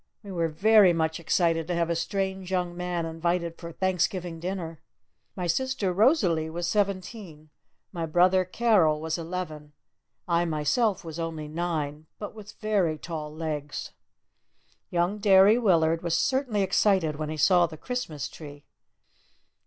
We were very much excited to have a strange young man invited for Thanksgiving dinner. My sister Rosalee was seventeen. My brother Carol was eleven. I myself was only nine, but with very tall legs. Young Derry Willard was certainly excited when he saw the Christmas tree.